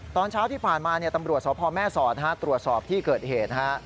ตอนเช้าที่ผ่านมาตำรวจสพแม่สอดตรวจสอบที่เกิดเหตุ